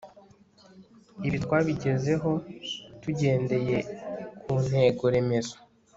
ibi twabigezeho tugendeye ku ntego-remezo